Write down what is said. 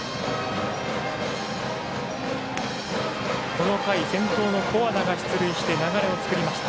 この回、先頭の古和田が出塁して流れを作りました。